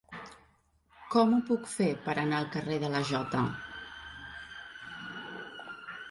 Com ho puc fer per anar al carrer de la Jota?